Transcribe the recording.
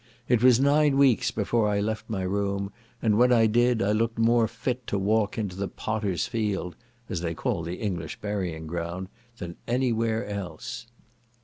It was nine weeks before I left my room, and when I did, I looked more fit to walk into the Potter's Field, (as they call the English burying ground) than any where else.